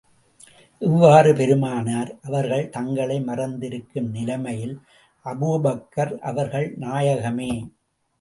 இவ்வாறு பெருமானார் அவர்கள் தங்களை மறந்திருக்கும் நிலைமையில், அபூபக்கர் அவர்கள், நாயகமே!